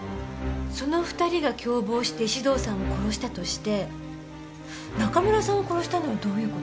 その２人が共謀して石堂さんを殺したとして中村さんを殺したのはどういう事？